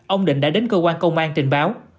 ông định đã đến cơ quan công an trình báo